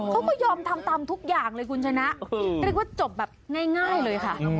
เขาก็ยอมทำตามทุกอย่างเลยคุณชนะเรียกว่าจบแบบง่ายเลยค่ะ